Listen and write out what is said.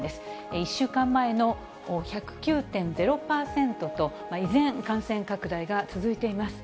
１週間前の１０９．０％と、依然、感染拡大が続いています。